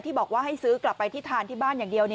บอกว่าให้ซื้อกลับไปที่ทานที่บ้านอย่างเดียว